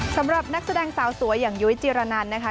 สำหรับนักแสดงสาวสวยอย่างยุ้ยจิรนันนะคะ